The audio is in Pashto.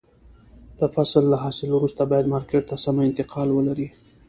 د فصل له حاصل وروسته باید مارکېټ ته سمه انتقال ولري.